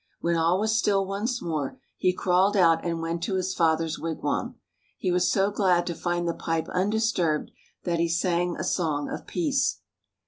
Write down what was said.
When all was still once more, he crawled out and went to his father's wigwam. He was so glad to find the pipe undisturbed, that he sang a song of peace.